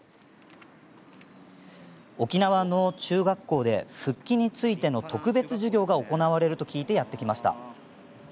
沖縄の中学校で復帰についての特別授業が行われると聞いてやって来ました。